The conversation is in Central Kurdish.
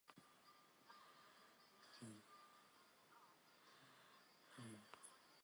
دەزانم تۆ شاعیرێکی گەورەی کوردی